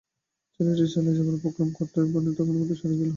ছেলেটি চলিয়া যাইবার উপক্রম করিতেই বিনয় তাহাকে কোনোমতেই ছাড়িয়া দিল না।